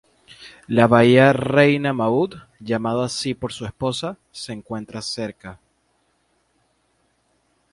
La bahía Reina Maud, llamado así por su esposa, se encuentra cerca.